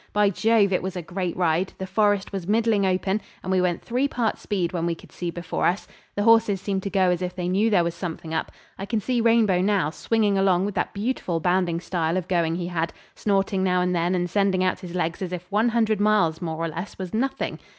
By Jove! it was a great ride; the forest was middling open, and we went three parts speed when we could see before us. The horses seemed to go as if they knew there was something up. I can see Rainbow now, swinging along with that beautiful bounding style of going he had, snorting now and then and sending out his legs as if one hundred miles, more or less, was nothing.